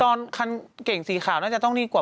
คันเก่งสีขาวน่าจะต้องดีกว่า